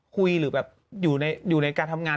หรือแบบอยู่ในการทำงาน